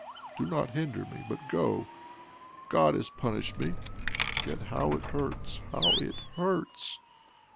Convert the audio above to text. Do not hinder me, but go. God has punished me. Yet how it hurts, how it hurts